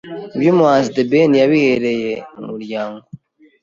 Iby’ubuhanzi The Ben yabihereye mu muryango